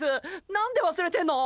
なんで忘れてんの！？